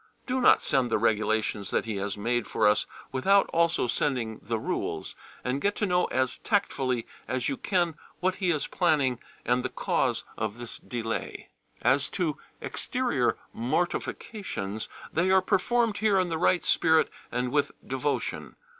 Do not send the regulations that he has made for us without also sending the rules, and get to know as tactfully as you can what he is planning and the cause of this delay. As to exterior mortifications, they are performed here in the right spirit and with devotion.